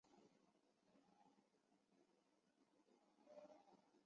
巴莫崖豆藤